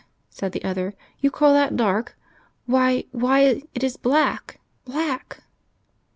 said the other. "You call that dark! Why, why, it is black black!"